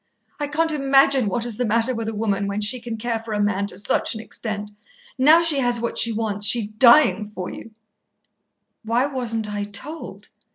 I can't imagine what is the matter with a woman when she can care for a man to such an extent. Now she has what she wants, she's dying for you." "Why wasn't I told?"